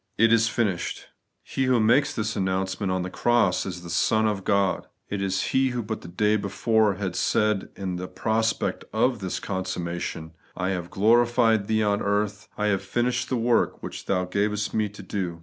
' It is finished !' He who makes this announce ment on the cross is the Son of God ; it is He who but the day before had said in the prospect of this consummation, ' I have glorified Thee on the earth, I have finished the work which Thou gavest me to do.'